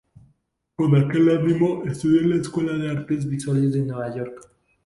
Con aquel ánimo, estudió en la Escuela de Artes Visuales de Nueva York.